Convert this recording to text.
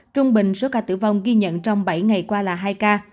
trung bình số ca tử vong ghi nhận trong bảy ngày qua là hai ca